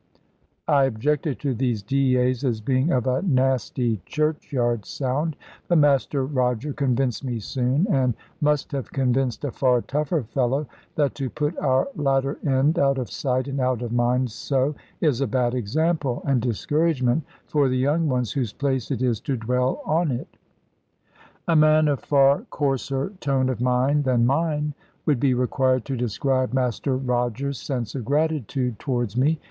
I objected to these "dies," as being of a nasty churchyard sound; but Master Roger convinced me soon, and must have convinced a far tougher fellow, that to put our latter end out of sight and out of mind so, is a bad example and discouragement for the young ones, whose place it is to dwell on it. A man of far coarser tone of mind than mine would be required to describe Master Roger's sense of gratitude towards me.